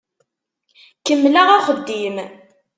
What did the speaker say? Kemmleɣ axeddim.